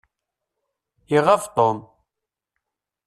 Iɣab Tom.